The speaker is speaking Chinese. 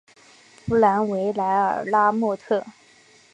布兰维莱尔拉莫特。